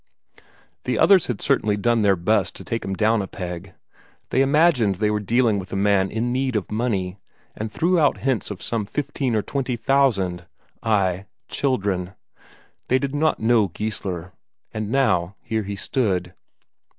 The others had certainly done their best to take him down a peg; they imagined they were dealing with a man in need of money, and threw out hints of some fifteen or twenty thousand ay, children. They did not know Geissler. And now here he stood.